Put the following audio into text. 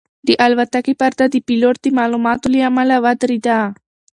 د الوتکې پرده د پیلوټ د معلوماتو له امله ودرېده.